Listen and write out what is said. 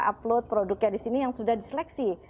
upload produknya di sini yang sudah diseleksi